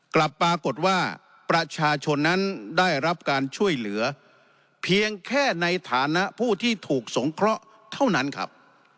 กลับปรากฏว่าประชาชนนั้นได้รับการช่วยเหลือเพียงแค่ในฐานะผู้ที่ถูกสงเคราะห์เท่านั้นครับ